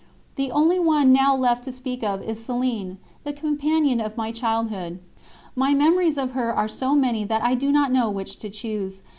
The only one now left to speak of is Céline, the companion of my childhood. My memories of her are so many that I do not know which to choose.